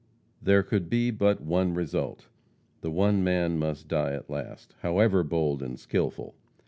There could be but one result. The one man must die at last, however bold and skillful.